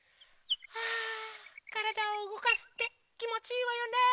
あからだをうごかすってきもちいいわよね。